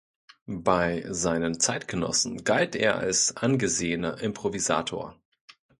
Bei seinen Zeitgenossen galt er als angesehener Improvisator.